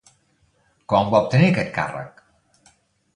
Quan va obtenir aquest càrrec?